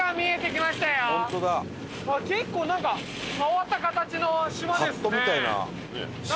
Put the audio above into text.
結構なんか変わった形の島ですね。